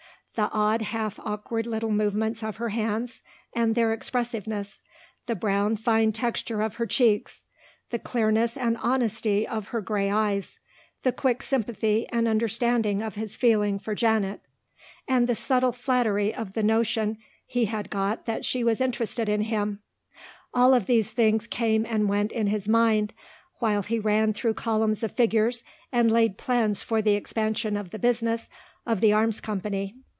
The odd half awkward little movements of her hands, and their expressiveness, the brown fine texture of her cheeks, the clearness and honesty of her grey eyes, the quick sympathy and understanding of his feeling for Janet, and the subtle flattery of the notion he had got that she was interested in him all of these things came and went in his mind while he ran through columns of figures and laid plans for the expansion of the business of the Arms Company.